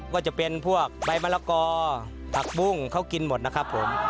ก็จะเป็นพวกใบมะละกอผักบุ้งเขากินหมดนะครับผม